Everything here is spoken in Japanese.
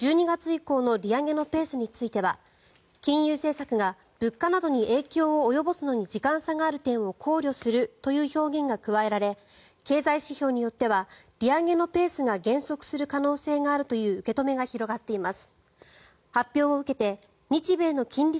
注目されていた１２月以降の利上げのペースについては金融政策が物価などが上がるのに時間差があるとすることを考慮するという表現が加えられ経済指標によっては利上げのペースが減速する可能性があるという受け止めが広がっています。